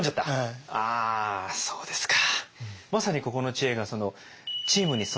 あそうですか。